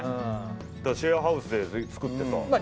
シェアハウスで作ってさ。